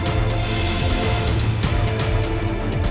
tapi saya en dalam takut